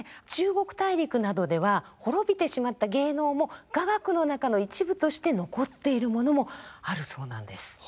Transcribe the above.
中国大陸などでは滅びてしまった芸能も雅楽の中の一部として残っているものもあるそうなんです。